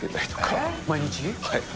はい。